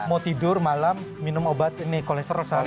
mau tidur malam minum obat ini kolesterol seharian